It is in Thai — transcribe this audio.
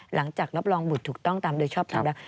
หลังจากรับรองบุตรถูกต้องตามโดยชอบตามแล้ว